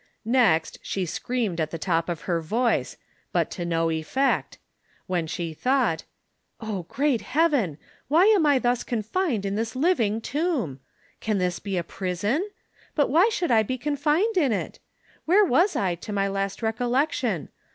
Xext, she screamed at the top of her voice, but to no effect ; when she thought :'' Oh, great heaven ! why am I thus confined in this liv ing tomb V Can this be a prison V But why should I be confined in it V Where was I to my last recollection